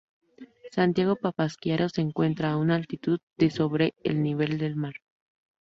Santiago Papasquiaro se encuentra a una altitud de sobre el nivel del mar.